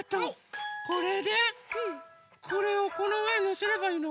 これでこれをこのうえにのせればいいの？